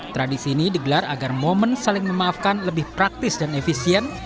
tradisi ini digelar agar momen saling memaafkan lebih praktis dan efisien